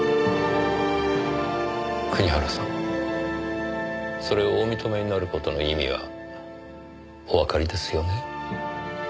国原さんそれをお認めになる事の意味はおわかりですよね？